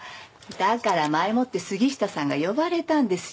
だから前もって杉下さんが呼ばれたんですよ。